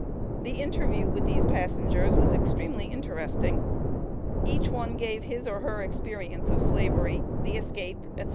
The interview with these passengers was extremely interesting. Each one gave his or her experience of Slavery, the escape, etc.